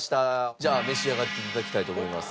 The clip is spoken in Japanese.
じゃあ召し上がって頂きたいと思います。